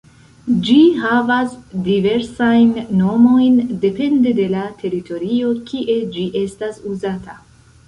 Ĝi havas diversajn nomojn depende de la teritorio kie ĝi estas uzata.